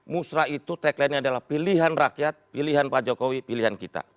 musrah itu tagline nya adalah pilihan rakyat pilihan pak jokowi pilihan kita